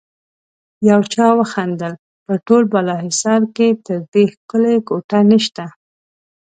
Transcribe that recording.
يو چا وخندل: په ټول بالاحصار کې تر دې ښکلی کوټه نشته.